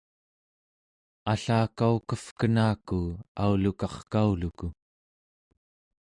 allakaukevkenaku aulukarkauluku